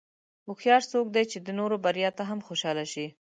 هوښیار څوک دی چې د نورو بریا ته هم خوشاله شي.